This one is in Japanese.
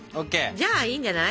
じゃあいいんじゃない？